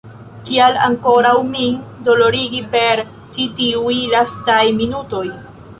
Kial ankoraŭ min dolorigi per ĉi tiuj lastaj minutoj?